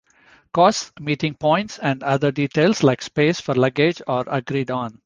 Costs, meeting points and other details like space for luggage are agreed on.